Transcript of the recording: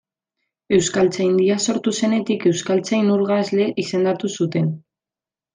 Euskaltzaindia sortu zenetik euskaltzain urgazle izendatu zuten.